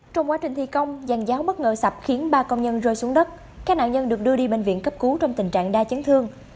trong quá trình thi công giàn giáo bất ngờ sập khiến ba công nhân rơi xuống đất các nạn nhân được đưa đi bệnh viện cấp cứu trong tình trạng đa chấn thương